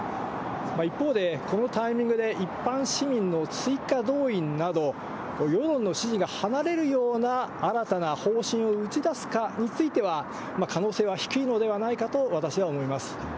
一方でこのタイミングで一般市民の追加動員など、世論の支持が離れるような新たな方針を打ち出すかについては、可能性は低いのではないかと、私は思います。